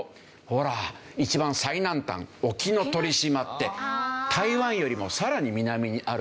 ほら一番最南端沖ノ鳥島って台湾よりもさらに南にあるわけですよ。